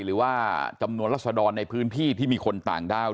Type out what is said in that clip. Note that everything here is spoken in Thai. หรือว่าจำนวนรัฐสดรในพื้นที่ที่มีคนต่างด้าด้วยนะครับ